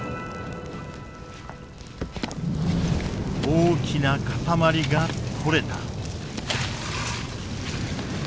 大きな塊が取れた。